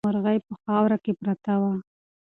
مرغۍ په خاورو کې پرته وه.